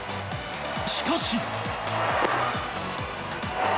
しかし。